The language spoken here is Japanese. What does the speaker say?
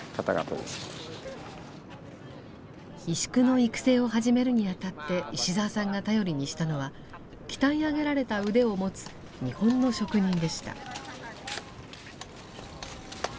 石工の育成を始めるにあたって石澤さんが頼りにしたのは鍛え上げられた腕を持つ日本の職人でした。